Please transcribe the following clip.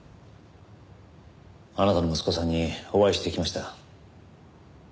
あなたの息子さんにお会いしてきました。